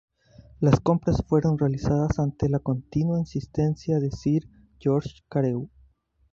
Las compras fueron realizadas ante la continua insistencia de Sir George Carew.